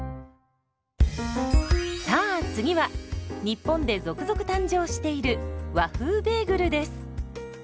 さあ次は日本で続々誕生している「和風ベーグル」です。